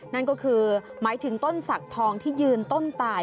นั่นก็คือหมายถึงต้นศักดิ์ทองที่ยืนต้นตาย